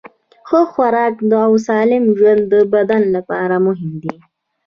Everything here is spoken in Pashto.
ښه خوراک او سالم ژوند د بدن لپاره مهم دي.